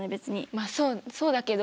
まあそうそうだけど。